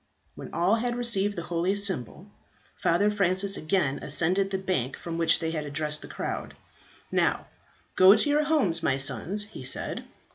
When all had received the holy symbol, Father Francis again ascended the bank from which they had addressed the crowd: "Now go to your homes, my sons," he said.